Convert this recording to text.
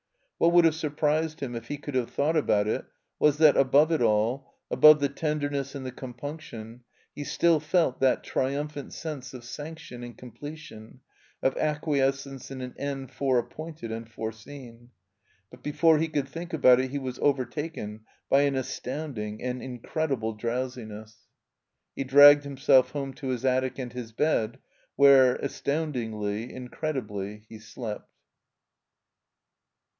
What wotdd have surprised him if he cotdd have thought about it was that, above it all, above the tenderness and the compunction, he still felt that triimiphant sense of sanction and completion, of acquiescence in an end foreappointed and foreseen. But before he cotdd think about it he was over taken by an astoimding, an incredible drowsiness. He dragged himself home to his attic and his bed, where, astoimdingly, incredibly, he slept.